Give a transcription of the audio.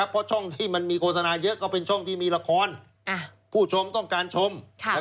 เพราะช่องที่มันมีโฆษณาเยอะก็เป็นช่องที่มีละครผู้ชมต้องการชม